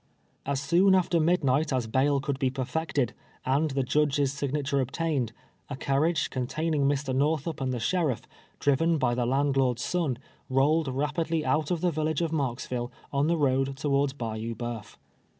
As soon after midnight as bail could be perfected, and the Judge's signature obtained, a carriage, con taining Mr. Xorthup and the sheriff, driven by the landlord's son, rolled rapidly out of the village of Marksville, on the road towards Bayou Boeuf.